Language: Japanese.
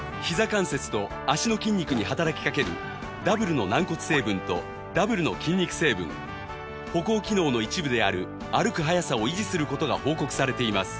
関節と脚の筋肉に働きかけるダブルの軟骨成分とダブルの筋肉成分歩行機能の一部である歩く早さを維持する事が報告されています